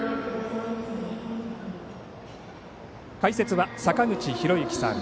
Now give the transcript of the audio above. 解説は坂口裕之さん